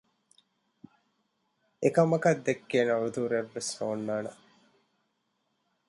އެކަމަކަށް ދެއްކޭނޭ ޢުޛުރެއް ވެސް ނޯންނާނެ